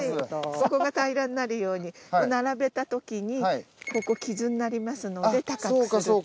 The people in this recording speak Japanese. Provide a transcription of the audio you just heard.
そこが平らになるように並べたときにここ傷になりますので高くすると。